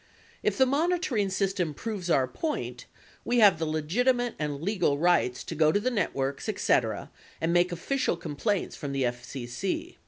If the monitoring system proves our point, we have the legitimate and legal rights to go to the networks, etc., and make official complaints from the FCC.